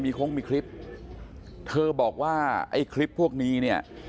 คงมีคลิปเธอบอกว่าไอ้คลิปพวกนี้เนี่ย